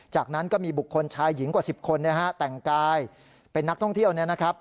จากนั้นก็มีบุคคลชายหญิงกว่า๑๐คนแต่งกายเป็นนักท่องเที่ยวเนี่ยนะครับ